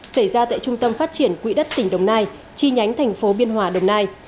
xảy ra tại trung tâm phát triển quỹ đất tỉnh đồng nai chi nhánh thành phố biên hòa đồng nai